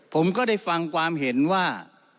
ผมก็ได้ฟังความเห็นว่า